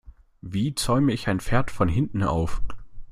Wie zäume ich ein Pferd von hinten auf?